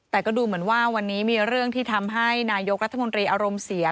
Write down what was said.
แต่ก็ดูเหมือนว่าวันนี้มีเรื่องที่ทำให้นายกรัฐมนตรีอารมณ์เสีย